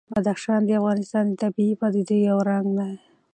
بدخشان د افغانستان د طبیعي پدیدو یو رنګ دی.